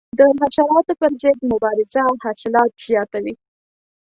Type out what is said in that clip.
د حشراتو پر ضد مبارزه حاصلات زیاتوي.